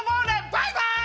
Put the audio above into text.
バイバイ！